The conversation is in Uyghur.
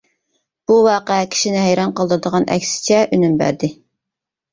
بۇ ۋەقە كىشىنى ھەيران قالدۇرىدىغان ئەكسىچە ئۈنۈم بەردى.